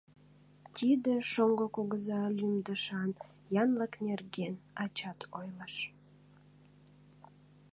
Тиде «шоҥго кугыза» лӱмдышан янлык нерген ачат ойлыш.